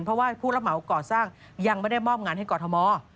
เพราะว่าผู้รับเหมาก่อสร้างยังไม่ได้มอบงานให้กรทม